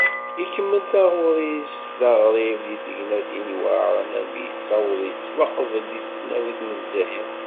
Ikemmel taɣuri-s d aɣrib, di tegnatin iweɛren, armi yessaweḍ yettwaqbel di tesnawit n Lezzayer.